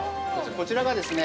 ◆こちらがですね